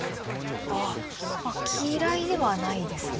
ああ嫌いではないですね。